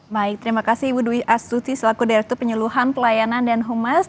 baik terima kasih ibu dwi astuti selaku direktur penyeluhan pelayanan dan humas